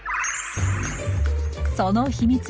その秘密